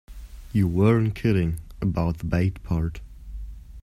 You weren't kidding about the bait part.